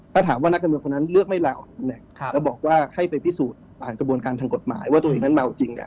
ถ้าถามว่านักการเมืองคนนั้นเลือกไม่ลาออกตำแหน่งแล้วบอกว่าให้ไปพิสูจน์ผ่านกระบวนการทางกฎหมายว่าตัวเองนั้นเมาจริง